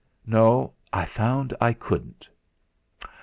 "No; I found I couldn't."